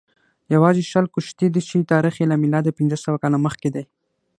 یوازې شل کښتۍ دي چې تاریخ یې له میلاده پنځه سوه کاله مخکې دی